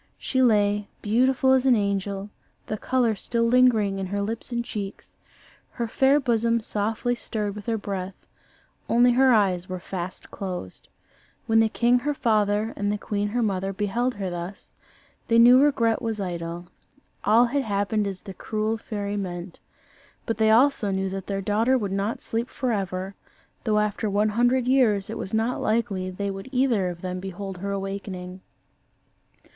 She lay, beautiful as an angel, the colour still lingering in her lips and cheeks; her fair bosom softly stirred with her breath: only her eyes were fast closed. When the king her father and the queen her mother beheld her thus, they knew regret was idle all had happened as the cruel fairy meant. But they also knew that their daughter would not sleep for ever, though after one hundred years it was not likely they would either of them behold her awakening.